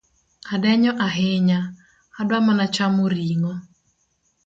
Adenyo ahinya , adwa mana chamo ring’o